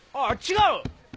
あっ違う！